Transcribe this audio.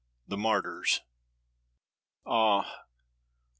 THE MARTYRS "Ah!